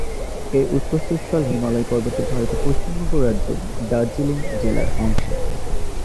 এর উৎপত্তিস্থল হিমালয় পর্বতের ভারতের পশ্চিমবঙ্গ রাজ্যের দার্জিলিং জেলার অংশে।